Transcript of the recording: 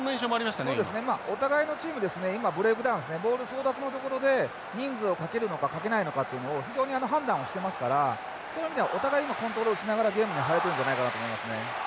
お互いのチームですね今ブレイクダウンですねボール争奪のところで人数をかけるのかかけないのかというのを非常に判断をしてますからそういう意味ではお互い今コントロールしながらゲームに入れるんじゃないかなと思いますね。